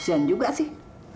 di inggris juga sih